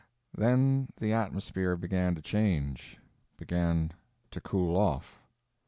Then the atmosphere began to change; began to cool off.